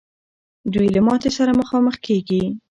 دوی له ماتي سره مخامخ کېږي.